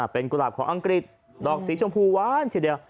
เป็นกุหลาบของอังกฤษดอกสีชมพูหวานทีเดียว